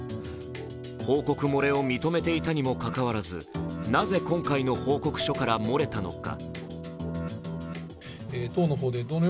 報告漏れを認めていたにもかかわらず、なぜ今回の報告書から漏れたのか。